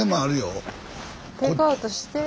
テイクアウトして。